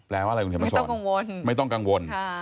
แปลว่าอะไรคุณเฮียมศรไม่ต้องกังวล